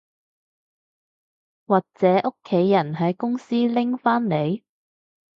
或者屋企人喺公司拎返嚟